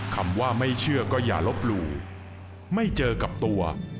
คำว่าไม่เชื่อก็อย่าลบหลู่ไม่เจอกับตัว